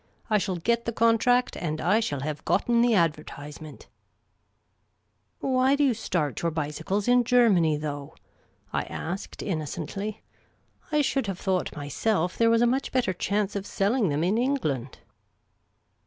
I shall get the contract, and I shall hev gotten the adver/Z^nnent !"" Why do you start your bicycles in Germany, though ?" I asked, innocently. " I should have thought myself there was a much better chance of selling them in Eng land."